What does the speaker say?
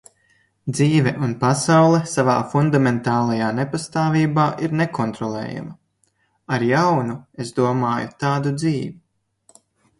Dzīve un pasaule savā fundamentālajā nepastāvībā ir nekontrolējama. Ar "jaunu" es domāju tādu dzīvi.